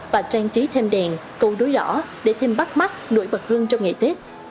và trang trí thêm đèn cầu đối đỏ để thêm bắt mắt nổi bật hơn trong ngày tết